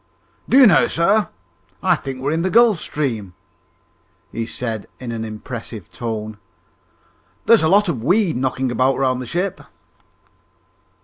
"Do you know, sir, I think we're in the Gulf Stream," he said in an impressive tone. "There's a lot of the weed knocking about round the ship."